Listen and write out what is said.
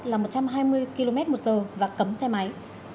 là một trăm hai mươi km một giờ và cấm xe máy